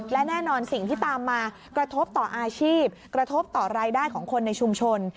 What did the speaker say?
และแน่นอนสิ่งที่ตามมากระทบต่ออาชีพกระทบต่อรายได้ของคนในชุมชน